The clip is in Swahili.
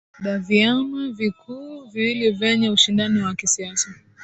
da ya viama vikuu viwili vyeye ushindani wa kisiasa